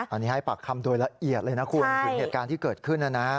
อันนี้ให้ปากคำโดยละเอียดเลยนะคุณถึงเหตุการณ์ที่เกิดขึ้นนะนะ